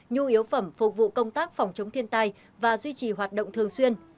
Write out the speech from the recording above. nhu yếu phẩm phục vụ công tác phòng chống thiên tai và duy trì hoạt động thường xuyên